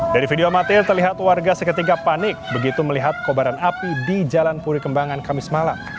dari video amatir terlihat warga seketika panik begitu melihat kobaran api di jalan puri kembangan kamis malam